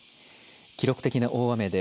記録的な大雨で